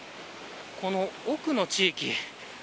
この奥の地域。